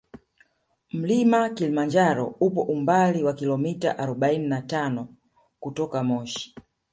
Mlima kilimanjaro upo umbali wa kilometa arobaini na tano kutoka moshi